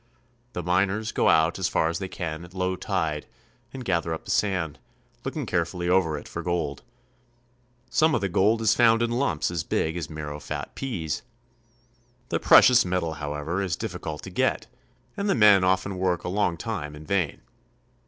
The miners go out as far as they can at low tide and gather up the sand, looking carefully over it for gold. Some of the gold is found in lumps as big as marrowfat peas. The precious metal, however, is difficult to get, and the men often work a long time in vain.